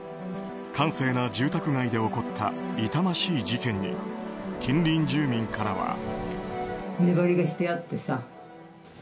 閑静な住宅街で起こった痛ましい事件に近隣住民からは。